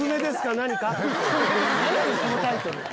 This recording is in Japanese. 何やそのタイトル！